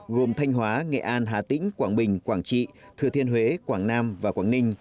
gồm thanh hóa nghệ an hà tĩnh quảng bình quảng trị thừa thiên huế quảng nam và quảng ninh